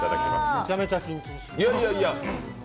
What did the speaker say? めちゃめちゃ緊張します。